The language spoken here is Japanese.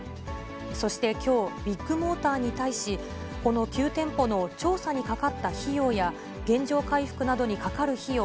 そしてきょう、ビッグモーターに対し、この９店舗の調査にかかった費用や、原状回復などにかかる費用